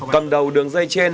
cầm đầu đường dây trên